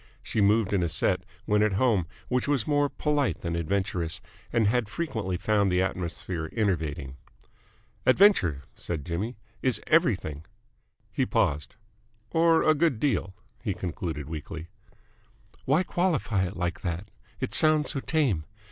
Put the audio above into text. She moved in a set, when at home, which was more polite than adventurous, and had frequently found the atmosphere enervating. "Adventure," said Jimmy, "is everything." He paused. "Or a good deal," he concluded weakly. "Why qualify it like that? It sounds so tame.